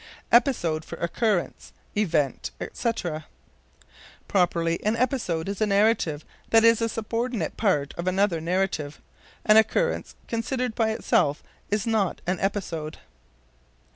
Episode for Occurrence, Event, etc. Properly, an episode is a narrative that is a subordinate part of another narrative. An occurrence considered by itself is not an episode.